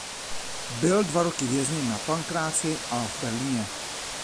Byl dva roky vězněn na Pankráci a v Berlíně.